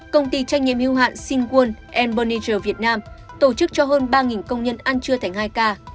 công ty trách nhiệm hưu hạn singuon berniger việt nam tổ chức cho hơn ba công nhân ăn trưa thành hai ca